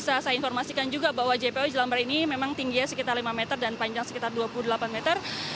saya informasikan juga bahwa jpo jelambar ini memang tingginya sekitar lima meter dan panjang sekitar dua puluh delapan meter